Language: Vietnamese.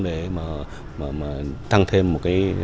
để tăng thêm một nỗi buồn